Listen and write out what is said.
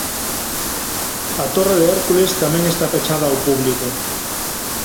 A Torre de Hércules tamén está pechada ao público.